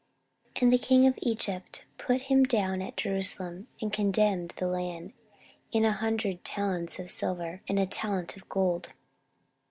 14:036:003 And the king of Egypt put him down at Jerusalem, and condemned the land in an hundred talents of silver and a talent of gold.